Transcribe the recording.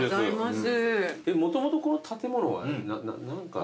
もともとこの建物は何か。